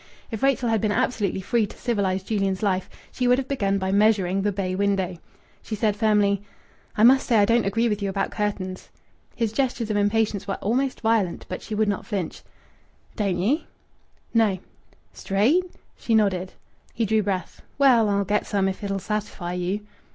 If Rachel had been absolutely free to civilize Julian's life, she would have begun by measuring the bay window. She said firmly "I must say I don't agree with you about curtains." His gestures of impatience were almost violent; but she would not flinch. "Don't ye?" "No." "Straight?" She nodded. He drew breath. "Well, I'll get some if it'll satisfy you."